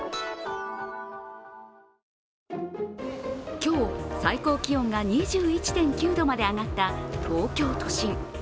今日、最高気温が２１．９度まで上がった東京都心。